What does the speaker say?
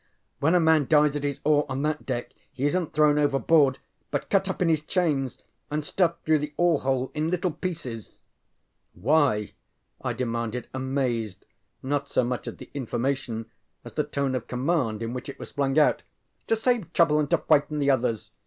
When a man dies at his oar on that deck he isnŌĆÖt thrown overboard, but cut up in his chains and stuffed through the oar hole in little pieces. ŌĆØ ŌĆ£Why? ŌĆØ I demanded, amazed, not so much at the information as the tone of command in which it was flung out. ŌĆ£To save trouble and to frighten the others.